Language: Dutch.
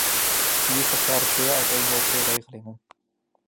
Hiervoor gelden zeer uiteenlopende regelingen.